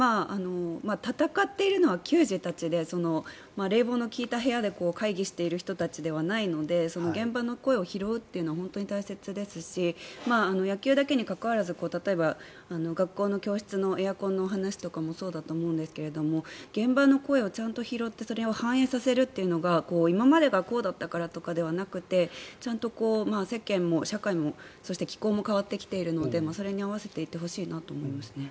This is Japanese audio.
戦っているのは球児たちで冷房の利いた部屋で会議している人たちではないので現場の声を拾うというのは本当に大切ですし野球だけにかかわらず例えば学校の教室のエアコンの話とかもそうだと思いますが現場の声をちゃんと拾ってそれを反映させるのが今までがこうだったからとかではなくて世間も社会もそして気候も変わってきているのでそれに合わせていってほしいなと思いますね。